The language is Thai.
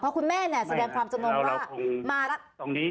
เพราะคุณแม่แสดงความจำนวนว่ามาแล้ว